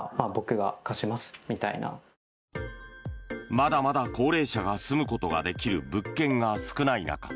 まだまだ高齢者が住むことができる物件が少ない中